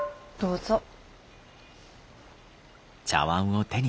どうぞ。